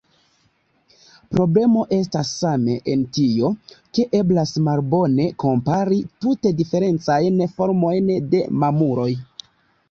Problemo estas same en tio, ke eblas malbone kompari tute diferencajn formojn de mamuloj.